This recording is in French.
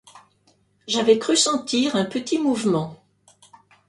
J’avais cru sentir un petit mouvement.